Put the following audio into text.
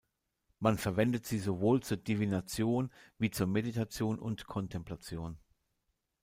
Man verwendet sie sowohl zur Divination wie zur Meditation und Kontemplation.